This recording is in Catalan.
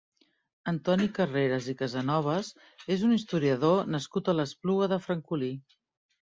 Antoni Carreras i Casanovas és un historiador nascut a l'Espluga de Francolí.